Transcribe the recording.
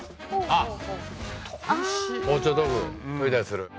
包丁道具研いだりする。